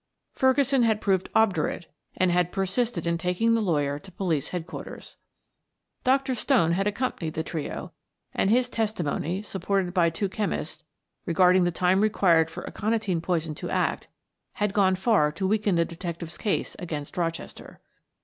Ferguson had proved obdurate and had persisted in taking the lawyer to Police Headquarters. Dr. Stone had accompanied the trio, and his testimony, supported by two chemists, regarding the time required for aconitine poison to act, had gone far to weaken the detective's case against Rochester.